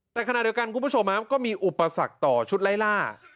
แต่ขณะเดียวกันคุณผู้ชมก็มีอุปสรรคต่อชุดไล่ล่า